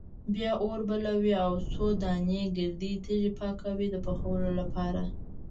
بیا اور بلوي او څو دانې ګردې تیږې پاکوي د پخولو لپاره.